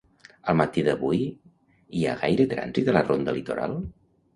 Al matí d'avui, hi ha gaire trànsit a la Ronda Litoral?